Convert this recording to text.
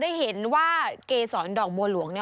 ได้เห็นว่าเกษรดอกบัวหลวง